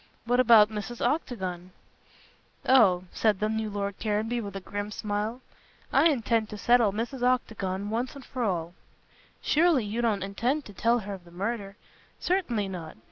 "What about Mrs. Octagon?" "Oh," said the new Lord Caranby with a grim smile, "I intend to settle Mrs. Octagon once and for all." "Surely you don't intend to tell her of the murder." "Certainly not.